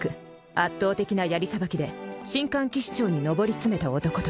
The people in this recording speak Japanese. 「圧倒的な槍さばきで神官騎士長に上り詰めた男と」